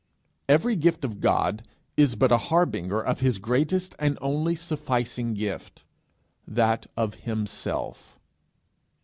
Every gift of God is but a harbinger of his greatest and only sufficing gift that of himself.